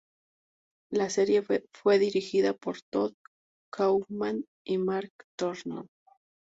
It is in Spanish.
La serie fue dirigida por Todd Kauffman y Mark Thornton.